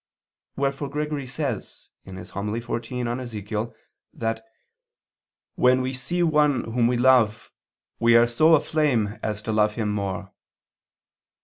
Wherefore Gregory says (Hom. xiv in Ezech.) that "when we see one whom we love, we are so aflame as to love him more."